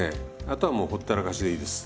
あとはもうほったらかしでいいです。